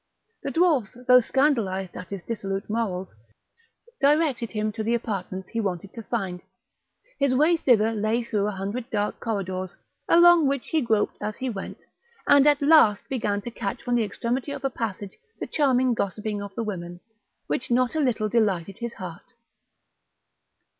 The dwarfs, though scandalised at his dissolute morals, directed him to the apartments he wanted to find; his way thither lay through a hundred dark corridors, along which he groped as he went, and at last began to catch from the extremity of a passage the charming gossiping of the women, which not a little delighted his heart.